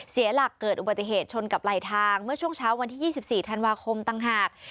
เสียหลักเกิดอุบัติเหตุชนกับไหลทางเมื่อช่วงเช้าวันที่๒๔ธันวาคมต่างหาก